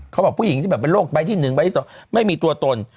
เขาบอกผู้หญิงที่แบบโรคไปที่หนึ่งไปที่สองไม่มีตัวตน